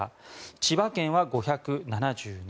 千葉県は５７７